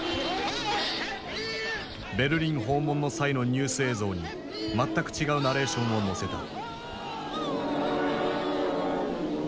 ベルリン訪問の際のニュース映像に全く違うナレーションをのせた。